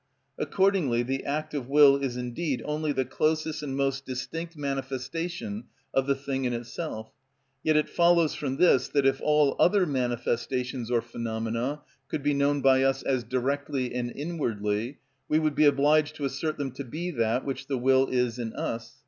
Accordingly the act of will is indeed only the closest and most distinct manifestation of the thing in itself; yet it follows from this that if all other manifestations or phenomena could be known by us as directly and inwardly, we would be obliged to assert them to be that which the will is in us.